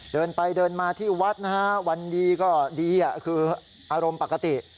เดินไปเดินมาที่วัดนะฮะวันดีก็ดีคืออารมณ์ปกติ